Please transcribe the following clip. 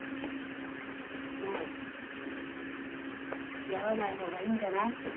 ねえつきあわない方がいいんじゃない？